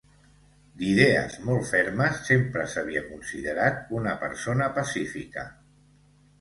D'idees molt fermes, sempre s'havia considerat una persona pacífica.